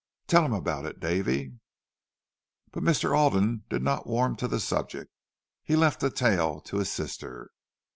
Tell him about it, Davy." But Mr. Alden did not warm to the subject; he left the tale to his sister.